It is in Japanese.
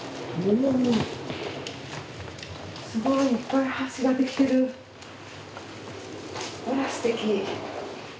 すごいいっぱい足が出来てるわあすてき！